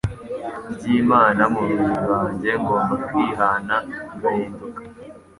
ry’Imana mu mubiri wanjye ngomba kwihana ngahinduka,